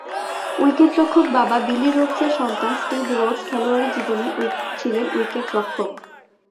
উইকেটরক্ষক বাবা বিলি রোডসের সন্তান স্টিভ রোডস খেলোয়াড়ি জীবনে ছিলেন উইকেটরক্ষক।